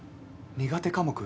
苦手科目？